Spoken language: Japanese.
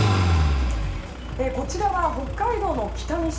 こちらは北海道の北見市。